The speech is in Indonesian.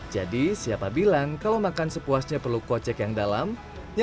jadi siapa bilang kalau makan sepuasnya perlu kocek yang dalamnya